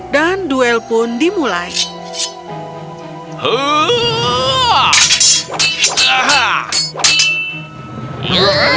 dan duel pun dimulai